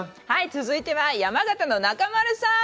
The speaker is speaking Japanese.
続いては山形の中丸さん！